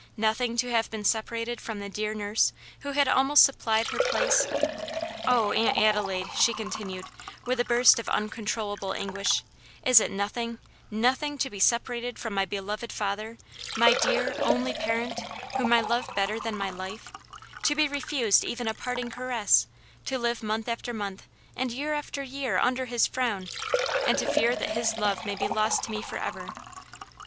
nothing to have been separated from the dear nurse, who had almost supplied her place? Oh, Aunt Adelaide!" she continued, with a burst of uncontrollable anguish, "is it nothing, nothing to be separated from my beloved father, my dear, only parent, whom I love better than my life to be refused even a parting caress to live month after month, and year after year under his frown and to fear that his love may be lost to me forever?